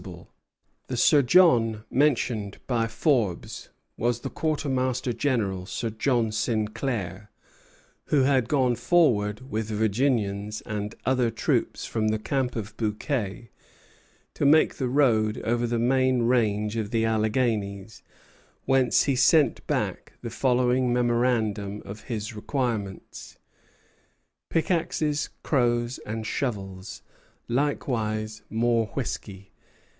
The Sir John mentioned by Forbes was the quartermaster general, Sir John Sinclair, who had gone forward with Virginians and other troops from the camp of Bouquet to make the road over the main range of the Alleghanies, whence he sent back the following memorandum of his requirements: "Pickaxes, crows, and shovels; likewise more whiskey.